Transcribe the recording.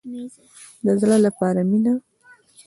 د زړه لپاره مینه.